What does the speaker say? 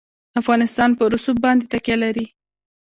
افغانستان په رسوب باندې تکیه لري.